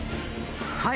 はい。